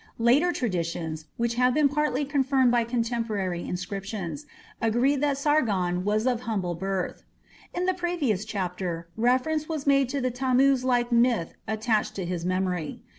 Later traditions, which have been partly confirmed by contemporary inscriptions, agree that Sargon was of humble birth. In the previous chapter reference was made to the Tammuz like myth attached to his memory.